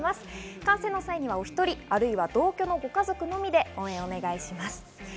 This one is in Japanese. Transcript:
観戦の際にはお１人あるいは同居のご家族のみで応援お願いします。